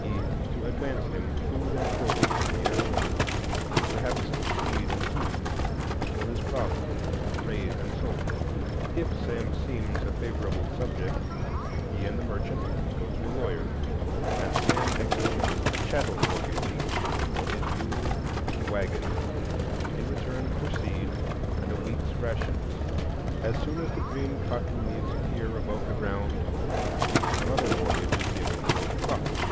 e._, to advance him food and clothing for the year, and perhaps seed and tools, until his crop is raised and sold. If Sam seems a favorable subject, he and the merchant go to a lawyer, and Sam executes a chattel mortgage on his mule and wagon in return for seed and a week's rations. As soon as the green cotton leaves appear above the ground, another mortgage is given on the "crop."